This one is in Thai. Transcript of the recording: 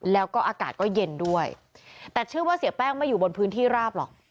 แล้วก็อากาศก็เย็นด้วยแต่เชื่อว่าเสียแป้งไม่อยู่บนพื้นที่ราบหรอก